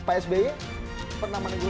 pak sby pernah menegur aku ya